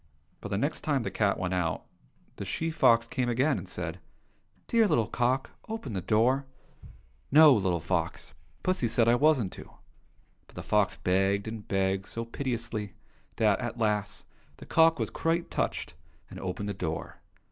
But the next time the cat went out, the she fox came again, and said, " Dear little cock, open the door !"—" No, little fox ! Pussy said I wasn't to." But the fox begged and begged so piteously that, at last, the cock was quite touched, and opened the door.